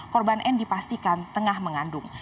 korban n dipastikan tengah mengandung